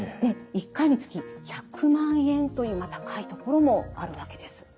１回につき１００万円という高いところもあるわけです。